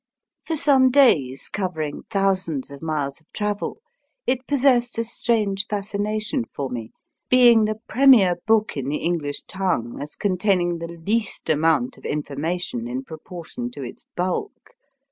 For some days, covering thousands of miles of travel, it possessed a strange fasci nation for me, being the premier book in the English tongue as containing the least amount of information in proportion to its bulk.